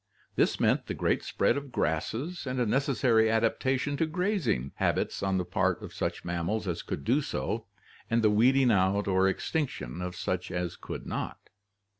This meant the great spread of grasses and a necessary adaptation to grazing habits on the part of such mammals as could do so, and the weed ing out or extinction of such as could not.